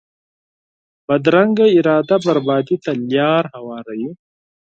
بدرنګه اراده بربادي ته لار هواروي